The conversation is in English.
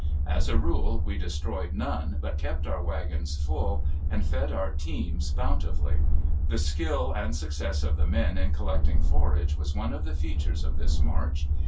As a rule, we destroyed none, but kept our wagons full, and fed our teams bountifully. The skill and success of the men in collecting forage was one of the features of this march.